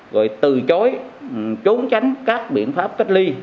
gọi từ chối chốn tránh các biện pháp kết ly